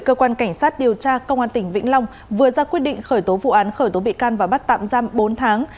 cơ quan cảnh sát điều tra công an tỉnh vĩnh long vừa ra quyết định khởi tố vụ án khởi tố bị can và bắt tạm giam bốn tháng